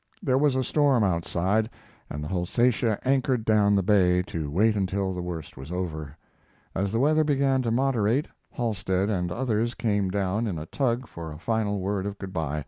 There was a storm outside, and the Holsatia anchored down the bay to wait until the worst was over. As the weather began to moderate Halstead and others came down in a tug for a final word of good by.